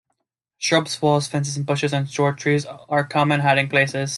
Shrubs, walls, fences, bushes, and short trees are common hiding places.